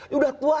ya udah tua